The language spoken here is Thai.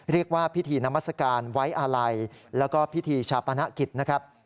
เรียกว่าพิธีนามัศกาลไว้อาลัยแล้วก็พิธีชาปนกิจนะครับ